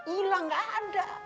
ilang gak ada